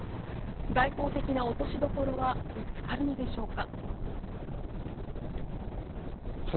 外交的な落としどころは見つかるのでしょうか。